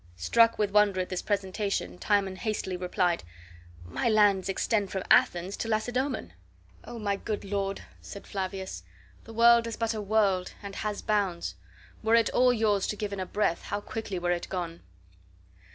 Struck with wonder at this presentation, Timon hastily replied: "My lands extend from Athens to Lacedoemon." "O my good lord," said Flavius, "the world is but a world, and has bounds. Were it all yours to give in a breath, how quickly were it gone!"